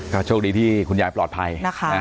ก็โชคดีที่คุณยายปลอดภัยนะคะ